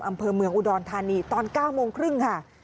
อำเภอเมืองอุดรธานีตอน๙โมงครึ่งค่ะ